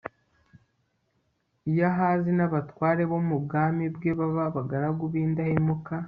iyo ahazi n'abatware bo mu bwami bwe baba abagaragu b'indahemuka